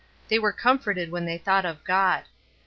They were comforted when they thought of God.